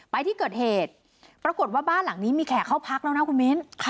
ไปที่เกิดเหตุปรากฏว่าบ้านหลังนี้มีแขกเข้าพักแล้วนะคุณมิ้น